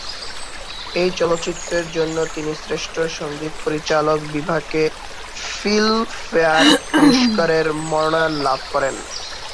এই চলচ্চিত্রের জন্য তিনি শ্রেষ্ঠ সঙ্গীত পরিচালক বিভাগে ফিল্মফেয়ার পুরস্কারের মনোনয়ন লাভ করেন।